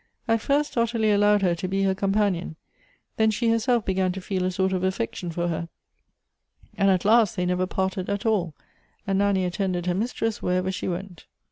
At first, Ottilie allowed her to be her companion ; then she herself began to feel a sort of aflfection for her ; and, at last, they never parted at all, and Nanny attended her mistress wherever she went.